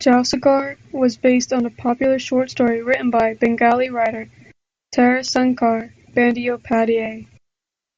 "Jalsaghar" was based on a popular short story written by Bengali writer Tarasankar Bandyopadhyay.